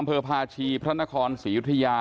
อำเฮอบบภาชีพระนครศิรยุธิยา